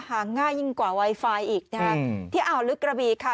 หาง่ายยิ่งกว่าไวไฟอีกนะฮะที่อ่าวลึกกระบีค่ะ